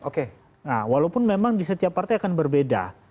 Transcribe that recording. oke nah walaupun memang di setiap partai akan berbeda